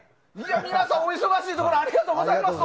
皆さん、お忙しいところありがとうございます。